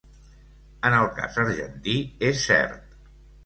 En el cas argentí és cert.